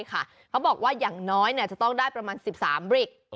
ใช่ค่ะเขาบอกว่าอย่างน้อยเนี่ยจะต้องได้ประมาณ๑๓บริก